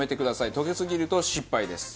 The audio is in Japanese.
溶けすぎると失敗です。